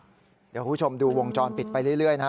เดี๋ยวคุณผู้ชมดูวงจรปิดไปเรื่อยนะฮะ